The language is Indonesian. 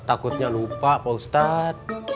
takutnya lupa pak ustadz